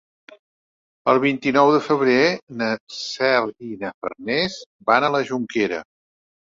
El vint-i-nou de febrer na Cel i na Farners van a la Jonquera.